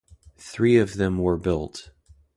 Three of them were built.